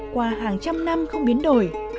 qua hàng trăm năm không biến đổi